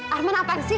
arman apaan sih